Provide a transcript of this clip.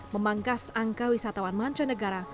memangkas angka wisatawan mancanegara